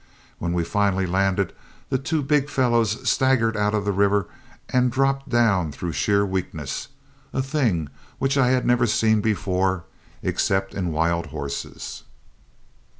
When we finally landed, the two big fellows staggered out of the river and dropped down through sheer weakness, a thing which I had never seen before except in wild horses.